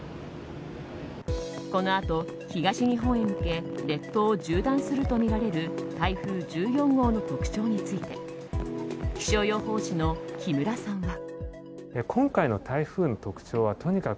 このあと東日本に向け列島を縦断するとみられる台風１４号の特徴について気象予報士の木村さんは。